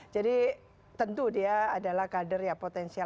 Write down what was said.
jadi tentu dia adalah kader ya potensial